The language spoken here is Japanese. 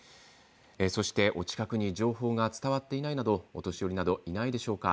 そして、お近くに情報が伝わっていないお年寄りなどいないでしょうか。